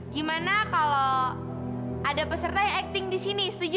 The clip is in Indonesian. gimana kalau ada peserta yang acting di sini setuju